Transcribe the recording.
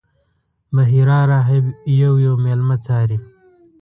بحیرا راهب یو یو میلمه څاري.